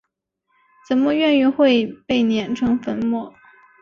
怎么愿意会被碾成粉末？